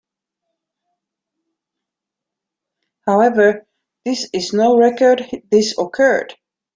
However, this is no record this occurred.